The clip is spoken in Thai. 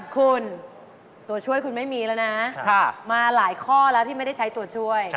คุณตัวช่วยคุณไม่มีแล้วนะมาหลายข้อแล้วที่ไม่ได้ใช้ตัวช่วย